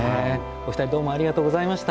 お二人どうもありがとうございました。